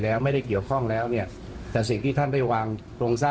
หลักการของการเรืองมันเป็นอย่างนี้